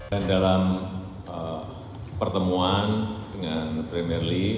dan dalam pertemuan dengan premier li